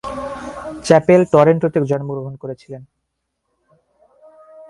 Chapel টরন্টোতে জন্মগ্রহণ করেছিলেন।